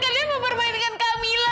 kalian mau bermain dengan camilla